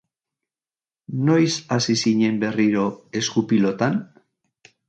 Noiz hasi zinen berriro esku-pilotan?